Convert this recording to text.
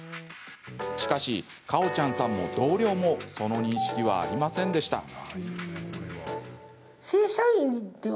しかし、かおちゃんさんも同僚もその認識はありませんでした。